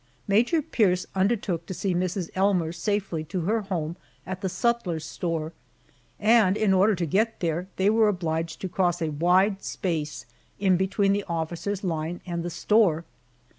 Major Pierce undertook to see Mrs. Elmer safely to her home at the sutler's store, and in order to get there they were obliged to cross a wide space in between the officers' line and the store.